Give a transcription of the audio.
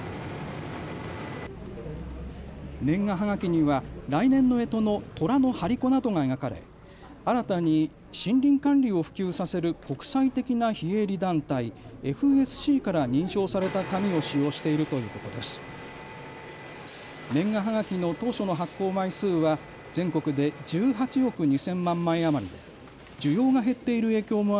年賀はがきには来年のえとのとらの張り子などが描かれ新たに森林管理を普及させる国際的な非営利団体ＦＳＣから認証された紙を使用しているということです。